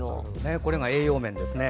これが栄養面ですね。